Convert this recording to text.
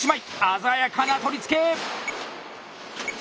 鮮やかな取り付け！